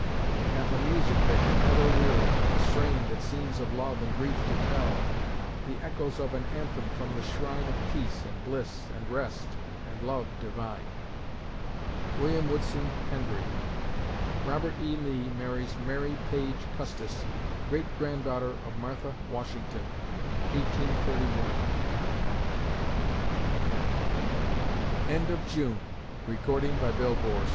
It hath a music that can never weary, A strain that seems of love and grief to tell, The echoes of an anthem from the shrine Of peace, and bliss, and rest, and love divine. WILLIAM WOODSON HENDREE Robert E. Lee marries Mary Page Custis, great granddaughter of Martha Washington, 1831 July A SUMMER SHOWER Meanwhile, unreluctant, Ear